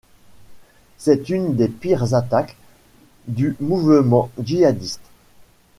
C'est l'une des pires attaques du mouvement djihadiste.